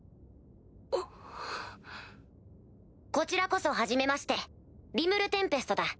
こちらこそはじめましてリムル＝テンペストだ。